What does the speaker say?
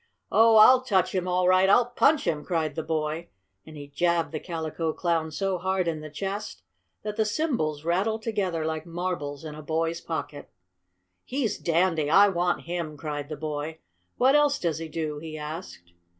"Oh, I'll touch him all right! I'll punch him!" cried the boy, and he jabbed the Calico Clown so hard in the chest that the cymbals rattled together like marbles in a boy's pocket. "He's dandy! I want him!" cried the boy. "What else does he do?" he asked.